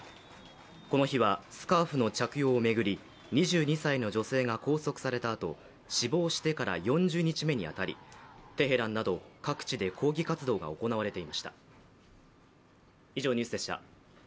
この日はスカーフの着用を巡り２２歳の女性が拘束されたあと、死亡してから４０日目に当たり、テヘランなど各地で抗議活動が行われていました。